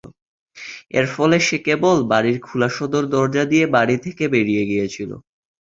এর ফলে সে কেবল বাড়ির খোলা সদর দরজা দিয়ে বাড়ি থেকে বেরিয়ে গিয়েছিল।